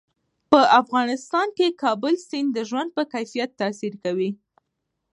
په افغانستان کې کابل سیند د ژوند په کیفیت تاثیر کوي.